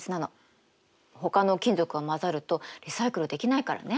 ほかの金属が混ざるとリサイクルできないからね。